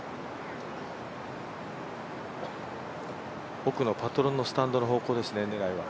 奥のパトロンのスタンドの方向ですね、狙いは。